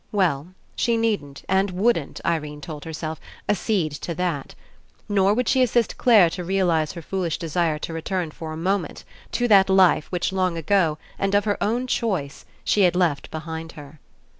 Well, she needn't and wouldn't, Irene told herself, ac cede to that. Nor would she assist Clare to realize her foolish desire to return for a mo ment to that life which long ago, and of her own choice, she had left behind her.